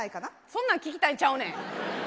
そんなん聞きたいんちゃうねん。